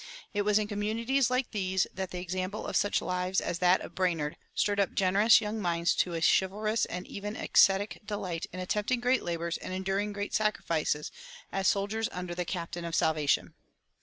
It was in communities like these that the example of such lives as that of Brainerd stirred up generous young minds to a chivalrous and even ascetic delight in attempting great labors and enduring great sacrifices as soldiers under the Captain of salvation.